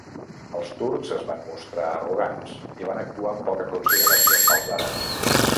Els turcs es van mostrar arrogants i van actuar amb poca consideració amb els àrabs.